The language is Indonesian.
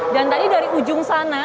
dan tadi dari ujung sana